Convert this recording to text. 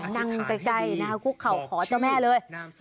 นั่งใกล้นะคะคุกเข่าขอเจ้าแม่เลย